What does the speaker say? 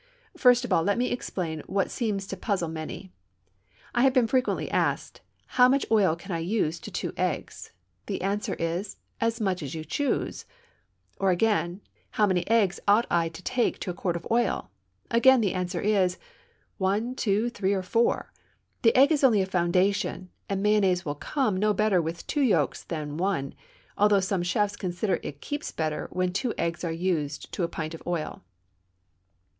First of all let me explain what seems to puzzle many. I have been frequently asked, "How much oil can I use to two eggs?" the answer is, "As much as you choose;" or, again, "How many eggs ought I to take to a quart of oil?" again the answer is, "One, two, three, or four." The egg is only a foundation, and mayonnaise will "come" no better with two yolks than one, although some chefs consider it keeps better when two eggs are used to a pint of oil.